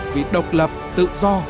vì độc lập tự do